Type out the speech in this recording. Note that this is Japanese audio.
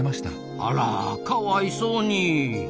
あらかわいそうに。